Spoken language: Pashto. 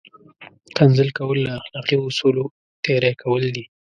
کنځل کول له اخلاقي اصولو تېری کول دي!